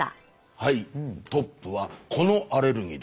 はいトップはこのアレルギーです。